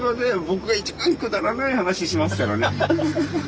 僕が一番くだらない話しますからね。